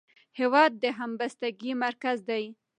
هېواد د همبستګۍ مرکز دی.